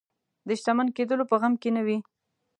د شتمن کېدلو په غم کې نه وي.